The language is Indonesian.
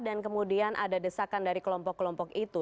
dan kemudian ada desakan dari kelompok kelompok itu